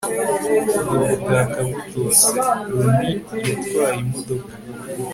n'ubutaka butose. lonnie yatwaye imodoka